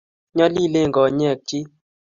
nyalilen konyek chich